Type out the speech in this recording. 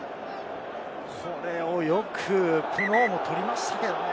これをよくプノーも取りましたけれどもね。